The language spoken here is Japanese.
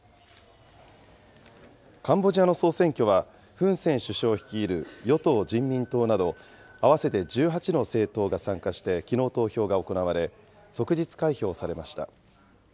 カンボジアの総選挙はフン・セン首相率いる与党・人民党など、合わせて１８の政党が参加してきのう投票が行われ、即日開票されました。